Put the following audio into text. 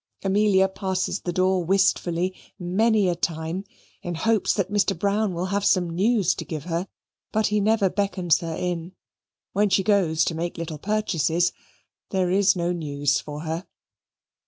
Amelia passes the door wistfully many a time, in hopes that Mr. Brown will have some news to give her, but he never beckons her in. When she goes to make little purchases, there is no news for her.